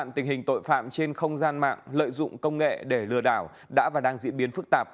tình hình tội phạm trên không gian mạng lợi dụng công nghệ để lừa đảo đã và đang diễn biến phức tạp